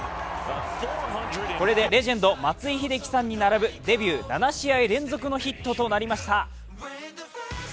これで、レジェンド松井秀喜さんに並ぶデビュー７試合連続のヒットとなりました。